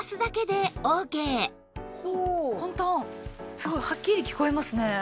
すごいはっきり聞こえますね！